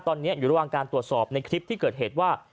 ตอนนี้อยู่ระหว่างการตรวจสอบในคลิปที่เกิดเหตุว่า